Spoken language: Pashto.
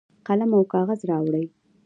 قلم او کاغذ راوړي.